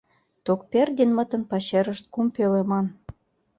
— Токпердинмытын пачерышт кум пӧлеман.